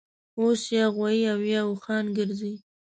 اوس یا غوایي اویا اوښان ګرځي